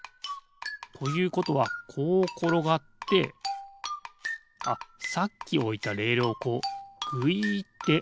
ということはこうころがってあっさっきおいたレールをこうぐいっておすのかな？